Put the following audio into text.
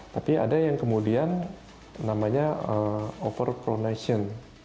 tapi ada yang kemudian namanya over pronation